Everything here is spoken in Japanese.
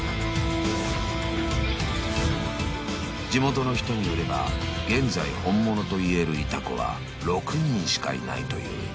［地元の人によれば現在本物といえるイタコは６人しかいないという］